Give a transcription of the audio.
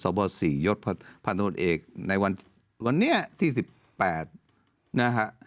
สตร์บอส๔ยศพันธุรกิจเอกในวันวันเนี้ยที่สิบแปดนะฮะ